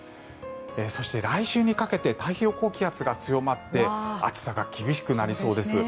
そして、来週にかけて太平洋高気圧が強まって暑さが厳しくなりそうです。